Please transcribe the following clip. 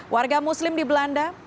warga muslim di belanda